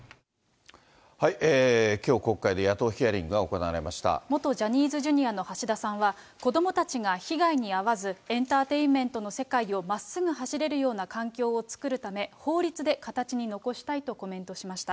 きょう、国会で野党ヒアリン元ジャニーズＪｒの橋田さんは、子どもたちが被害に遭わず、エンターテインメントの世界をまっすぐ走れるような環境を作るため、法律で形に残したいとコメントしました。